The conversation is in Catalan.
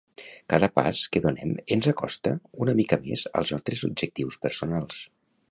Cada pas que donem ens acosta una mica més als nostres objectius personals.